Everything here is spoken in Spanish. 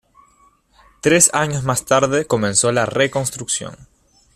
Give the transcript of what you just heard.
Tres años más tarde comenzó la reconstrucción.